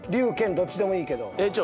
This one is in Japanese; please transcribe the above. どっちでもいいけど。